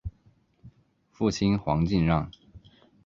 父亲黄敬让。